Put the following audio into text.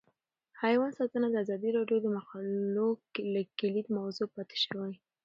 حیوان ساتنه د ازادي راډیو د مقالو کلیدي موضوع پاتې شوی.